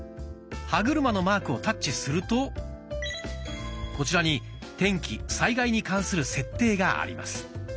歯車のマークをタッチするとこちらに「天気・災害に関する設定」があります。